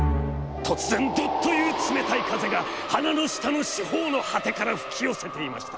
突然どッという冷めたい風が花の下の四方の涯から吹きよせていました。